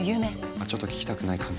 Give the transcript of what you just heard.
あちょっと聞きたくないかも。